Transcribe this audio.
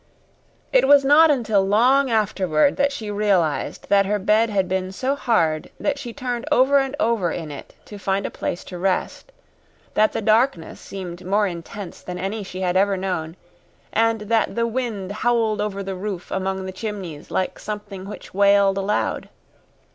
It was not until long afterward that she realized that her bed had been so hard that she turned over and over in it to find a place to rest, that the darkness seemed more intense than any she had ever known, and that the wind howled over the roof among the chimneys like something which wailed aloud.